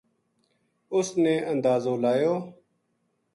اس نے اندازو لایو